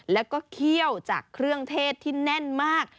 แล้วก็เคี่ยวจากเครื่องเทศที่แน่นมาก